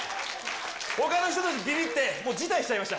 ほかの人たち、びびって、もう辞退しちゃいました。